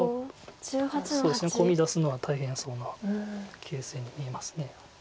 そうですねコミ出すのは大変そうな形勢に見えます。